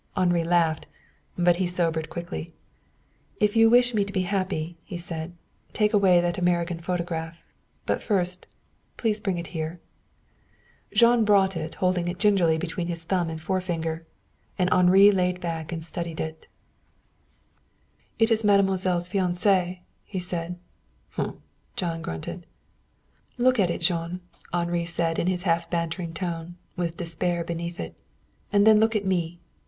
Henri laughed, but he sobered quickly. "If you wish me to be happy," he said, "take away that American photograph. But first, please to bring it here." Jean brought it, holding it gingerly between his thumb and forefinger. And Henri lay back and studied it. "It is mademoiselle's fiancé," he said. Jean grunted. "Look at it, Jean," Henri said in his half bantering tone, with despair beneath it; "and then look at me.